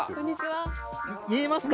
見えますか？